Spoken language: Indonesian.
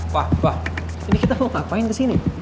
pa pa ini kita mau ngapain kesini